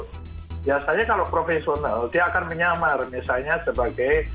biasanya kalau profesional dia akan menyamar misalnya sebagai